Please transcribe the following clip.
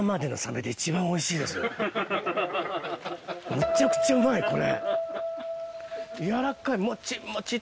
めちゃくちゃうまいこれ。